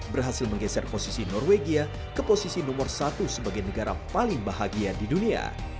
berhasil menggeser posisi norwegia ke posisi nomor satu sebagai negara paling bahagia di dunia